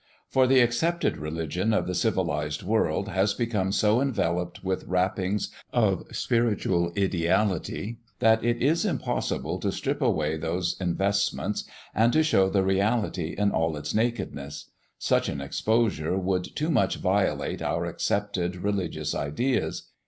For the accepted religion of the civilized world has become so enveloped with wrappings of spiritual ideality that it is impossible to strip away those investments and to show the reality in all its nakedness. Such an exposure would too much violate our accepted religious ideas.